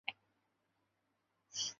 飞机坠毁后不久黑匣子已经找到。